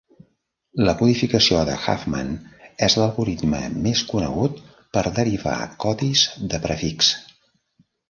La codificació de Huffman és l'algoritme més conegut per derivar codis de prefix.